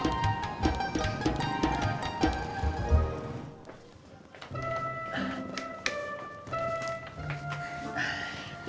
mau kemana lo